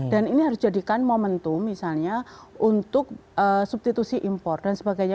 dan ini harus jadikan momentum misalnya untuk substitusi impor dan sebagainya